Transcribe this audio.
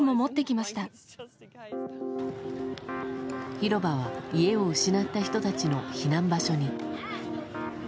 広場は家を失った人たちの避難場所に。